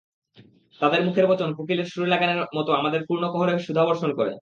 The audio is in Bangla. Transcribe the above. তাঁদের মুখের বচন কোকিলের সুরেলা গানের মতো আমাদের কর্ণকুহরে সুধাবর্ষণ করে।